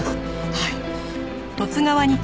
はい。